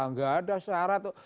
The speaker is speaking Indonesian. enggak ada syarat